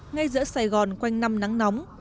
ngay giữa sài gòn quanh năm nắng